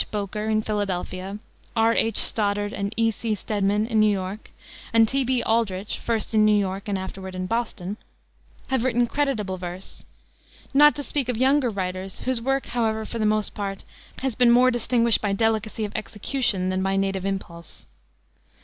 Boker, in Philadelphia, R. H. Stoddard and E. C. Stedman, in New York, and T. B. Aldrich, first in New York and afterward in Boston, have written creditable verse; not to speak of younger writers, whose work, however, for the most part, has been more distinguished by delicacy of execution than by native impulse.